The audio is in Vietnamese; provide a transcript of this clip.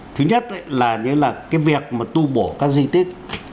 thứ nhất là cái việc mà tu bổ các di tích